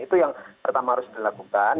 itu yang pertama harus dilakukan